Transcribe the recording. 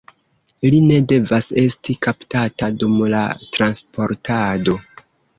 Li ne devas esti kaptata dum la transportado.